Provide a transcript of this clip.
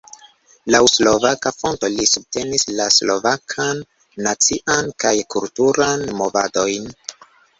Laŭ slovaka fonto li subtenis la slovakan nacian kaj kulturan movadojn.